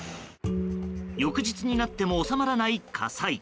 翌日になっても収まらない火災。